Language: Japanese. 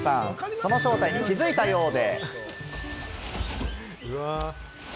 その正体に気づいたようで。